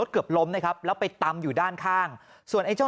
เกือบล้มนะครับแล้วไปตำอยู่ด้านข้างส่วนไอ้เจ้า